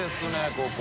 ここ。